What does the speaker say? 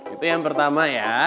itu yang pertama ya